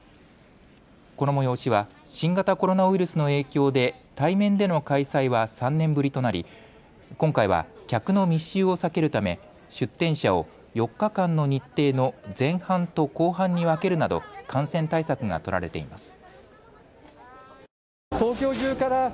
この催しは新型コロナウイルスの影響で対面での開催は３年ぶりとなり今回は客の密集を避けるため出展者を４日間の日程の前半と後半に分けるなど感染対策が取られています。